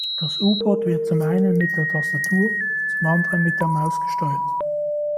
Das U-Boot wird zum einen mit der Tastatur, zum anderen mit der Maus gesteuert.